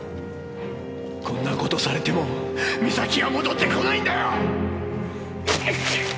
こんな事されても美咲は戻ってこないんだよ！